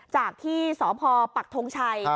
จากที่สพปักทงชัย